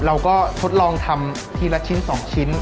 เราก็ทดลองทำทีละชิ้น๒ชิ้น